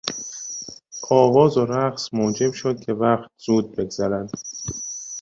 آواز و رقص موجب شد که وقت زود بگذرد.